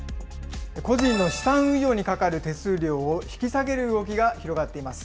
個人の資産運用にかかる手数料を引き下げる動きが広がっています。